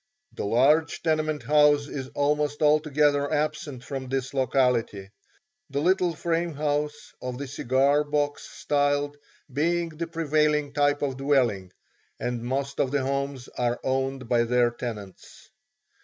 The large tenement house is almost altogether absent from this locality, the little frame house of the cigar box style being the prevailing type of dwelling, and most of the homes are owned by their tenants.